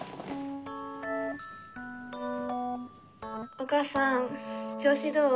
お母さん調子どう？